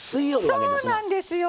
そうなんですよ！